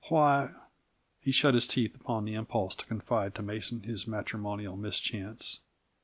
Why " He shut his teeth upon the impulse to confide to Mason his matrimonial mischance.